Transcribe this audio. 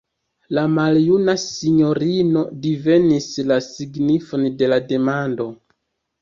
La maljuna sinjorino divenis la signifon de la demando.